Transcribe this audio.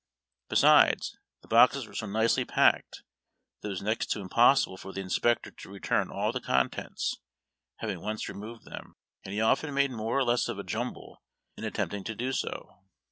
Besides, the boxes were so nicely packed that it was next to impossible for the inspector to return all the contents, having once removed them ; and he often made more or less of a jumble in attem[)ting to do so.